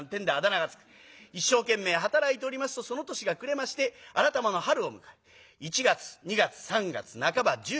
一生懸命働いておりますとその年が暮れましてあらたまの春を迎え一月二月三月半ば十五日。